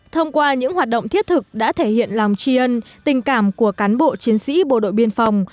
thông qua những hoạt động thiết thực đã thể hiện lòng tri ân tình cảm của cán bộ chiến sĩ bộ đội biên phòng